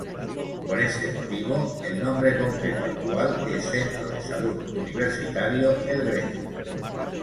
Por este motivo, el nombre completo actual es Centro de Salud Universitario El Greco.